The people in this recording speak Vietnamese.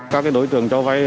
các đối tượng cho vay